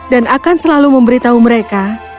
dan akan selalu memberitahu mereka